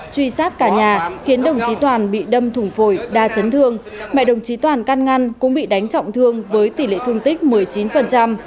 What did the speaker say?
truy sát cả nhà khiến đồng chí toàn bị đâm thủng phổi đa chấn thương mẹ đồng chí toàn căn ngăn cũng bị đánh trọng thương với tỷ lệ thương tích một mươi chín